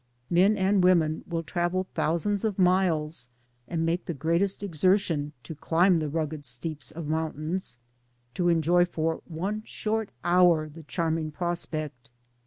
Men and women will travel thousands of miles and make the greatest exertion to climb the rugged steeps of mountains, to en joy for one short hour the charming pros pect.